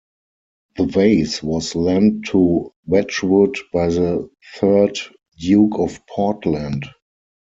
The vase was lent to Wedgwood by the third Duke of Portland.